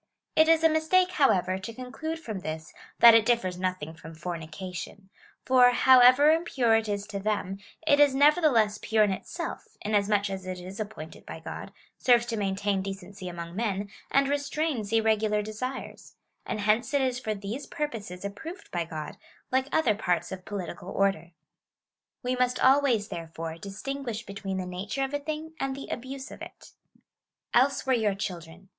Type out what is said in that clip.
It is a mistake, however, to conclude from this that it differs nothing from fornication ; for, however impure it is to them, it is nevertheless pure in itself, inasmuch as it is appointed by God, serves to maintain decency among men, and restrains irregular desires ; and hence it is for these purposes approved by God, like other parts of political order. We must always, therefore, distinguish between the nature of a thing and the abuse of it. Else were your children.